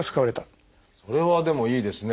それはでもいいですね。